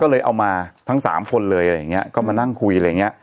ก็เลยเอามาทั้งสามคนเลยอะไรอย่างเงี้ยก็มานั่งคุยอะไรอย่างเงี้ย